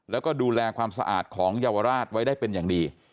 แล้วก็ดูแลความสะอาดของเยาวราชไว้ได้เป็นอย่างดี